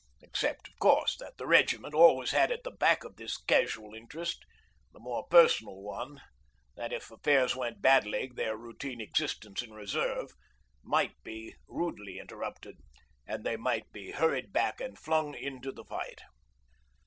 Except, of course, that the Regiment always had at the back of this casual interest the more personal one that if affairs went badly their routine existence 'in reserve' might be rudely interrupted and they might be hurried back and flung again into the fight.